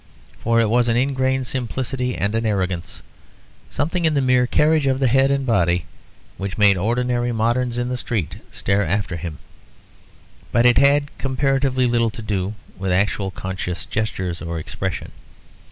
For it was an ingrained simplicity and arrogance, something in the mere carriage of the head and body, which made ordinary moderns in the street stare after him; but it had comparatively little to do with actual conscious gestures or expression.